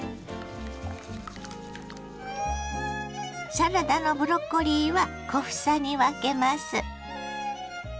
サラダのブロッコリーは小房に分けます。